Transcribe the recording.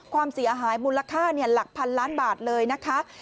ความเสียหายมูลค่าหลักพันล้านบาทเลยนะคะ